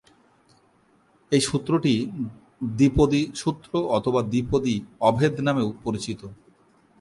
এই সূত্রটি দ্বিপদী সূত্র অথবা দ্বিপদী অভেদ নামেও পরিচিত।